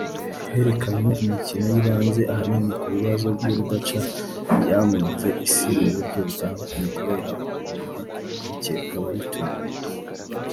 herekanywe imikino yibanze ahanini ku bibazo by’urudaca byamunze Isi mu buryo butandukanye kubera ‘ubumuntu buke bw’abayituye’